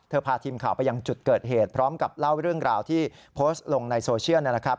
พาทีมข่าวไปยังจุดเกิดเหตุพร้อมกับเล่าเรื่องราวที่โพสต์ลงในโซเชียลนะครับ